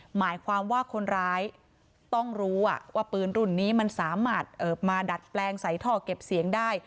หมายความว่าคนร้ายต้องรู้ว่าปืนรุ่นนี้มันสามารถมาดัดแปลงใส่ท่อเก็บเสียงได้